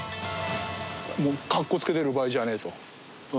もうカッコつけてる場合じゃねえ！と。